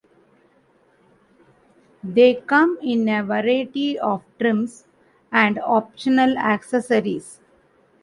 They come in a variety of trims and optional accessories.